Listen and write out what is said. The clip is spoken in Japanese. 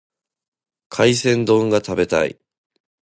海鮮丼を食べたい。